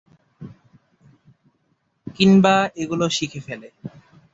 কিংবা এগুলো শিখে ফেলে।